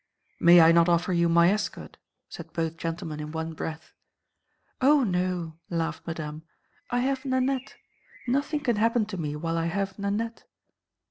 "May I not offer you my escort?" said both gentlemen in one breath. "O no!" laughed Madame. "I have Nanette. Nothing can happen to me while I have Nanette."